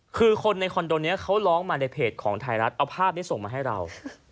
คือคนในคอนโดนี้เขาร้องมาในเพจของไทยรัฐเอาภาพนี้ส่งมาให้เรา